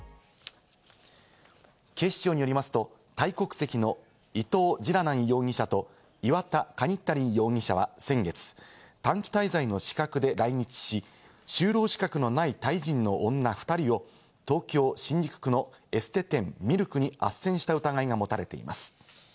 警視庁によりますと、タイ国籍のイトウ・ジラナン容疑者とイワタ・カニッタリン容疑者は先月、短期滞在の資格で来日し、就労資格のないタイ人の女２人を東京新宿区のエステ店・ミルクにあっせんした疑いが持たれています。